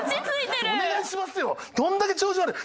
どんだけ調子悪い